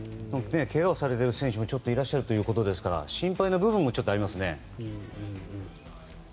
けがをされている選手もいらっしゃるということですから心配な部分もちょっとありますね。